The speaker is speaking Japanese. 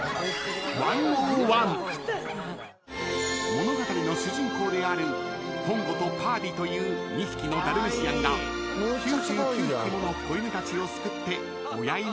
［物語の主人公であるポンゴとパーディという２匹のダルメシアンが９９匹もの子犬たちを救って親犬になる物語］